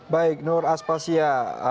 baik nur aspasya